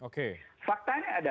seperti kata pak teguh tadi